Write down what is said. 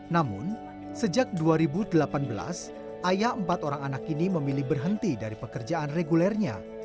namun sejak dua ribu delapan belas ayah empat orang anak ini memilih berhenti dari pekerjaan regulernya